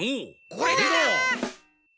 これだ！